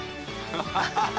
ハハハハ！